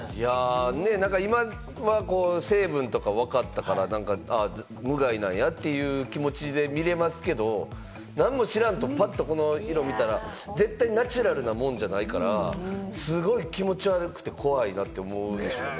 今は成分とかわかったから、あ、無害なんやという気持ちで見られますけれども、何も知らんと、パッとこの色見たら絶対ナチュラルなもんじゃないから、すごい気持ち悪くて怖いなって思うでしょうね。